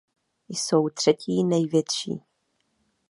Jsou třetí největší.